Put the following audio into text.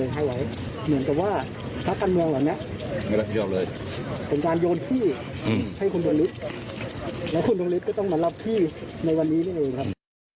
แล้วคุณดวงฤทธิก็ต้องมารับที่ในวันนี้นั่นเองครับ